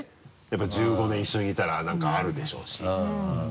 やっぱり１５年一緒にいたらなんかあるでしょうし。